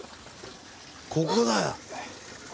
ここだよ。